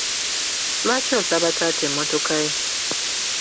Lwaki osaba taata emmotoka ye?